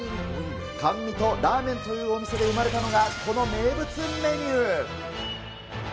甘味とラーメンというお店で生まれたのが、この名物メニュー。